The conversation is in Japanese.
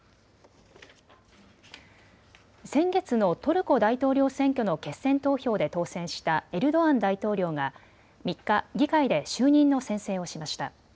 先月のトルコ大統領選挙の決選投票で当選したエルドアン大統領が３日、議会で就任の宣誓をしました。